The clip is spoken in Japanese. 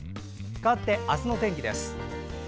かわって、明日の天気です。